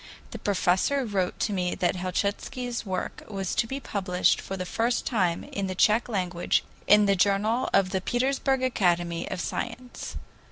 The professor wrote to me that Helchitsky's work was to be published for the first time in the Tsech language in the JOURNAL OF THE PETERSBURG ACADEMY OF SILENCE.